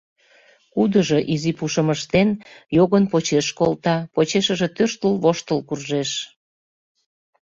Кудыжо, изи пушым ыштен, йогын почеш колта, почешыже тӧрштыл-воштыл куржеш...